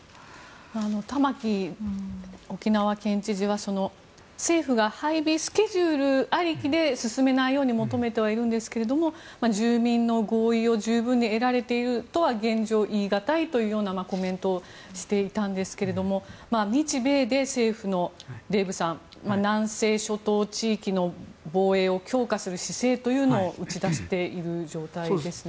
玉城沖縄県知事は政府が配備スケジュールありきで進めないように求めてはいるんですが住民の合意を十分に得られているという現状、言い難いというようなコメントをしていたんですが日米で政府の南西諸島地域の防衛を強化する姿勢というのを打ち出している状態ですね。